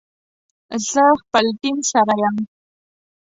زه خپل ټیم سره یم